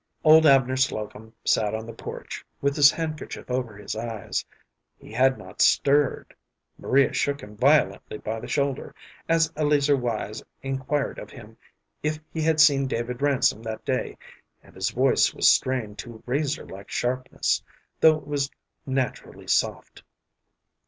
Old Abner Slocum sat on the porch, with his handkerchief over is eyes. He had not stirred. Maria shook him violently by the shoulder, as Eleazer Wise inquired of him if he had seen David Ransom that day, and his voice was strained to razorlike sharpness, though it was naturally soft.